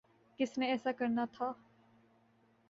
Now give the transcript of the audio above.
کس نے ایسا کرنا تھا؟